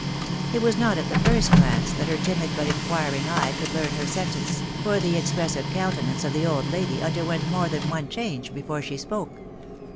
It was not at the first glance that her timid* but inquiring eye could learn her sentence, for the expressive countenance of the old lady underwent more than one change before she spoke.